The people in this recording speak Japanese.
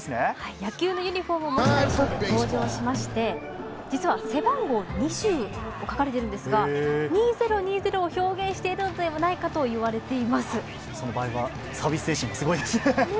野球のユニホームで登場しまして背番号２０と書かれていまして２０２０を表現しているのではないかとその場合はサービス精神がすごいですね。